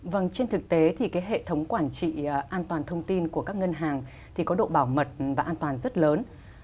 vâng trên thực tế thì hệ thống quản trị an toàn thông tin của các ngân hàng thì có độ bảo mật và an toàn rất lớn